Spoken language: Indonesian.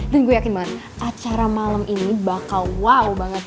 gue yakin banget acara malam ini bakal wow banget